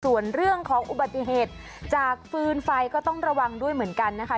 ส่วนเรื่องของอุบัติเหตุจากฟืนไฟก็ต้องระวังด้วยเหมือนกันนะคะ